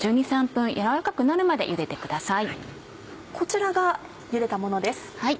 こちらがゆでたものです。